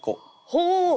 ほう！